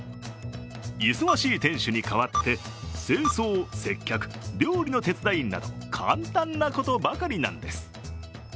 忙しい店主に代わって、清掃、接客、料理の手伝いなど、簡単なことばかりなんです。